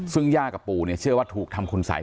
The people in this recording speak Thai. ซึ่งหญ้ากับปู่เชื่อว่าถูกทำคนใส